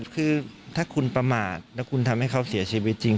คือถ้าคุณประมาทแล้วคุณทำให้เขาเสียชีวิตจริง